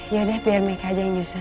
yaudah biar mereka aja yang njusin